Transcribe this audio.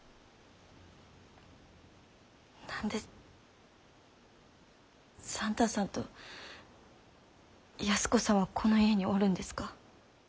何で算太さんと安子さんはこの家におるんですか？